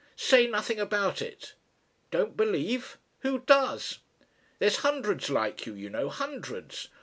Say nothing about it. Don't believe who does? There's hundreds like you, you know hundreds.